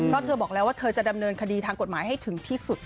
เพราะเธอบอกแล้วว่าเธอจะดำเนินคดีทางกฎหมายให้ถึงที่สุด